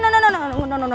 tunggu tunggu tunggu